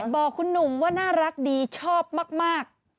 บอกคุณหนุ่มว่าน่ารักดีชอบมาก